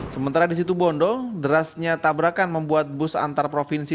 sementara di situ bondo derasnya tabrakan membuat bus antarprovinsi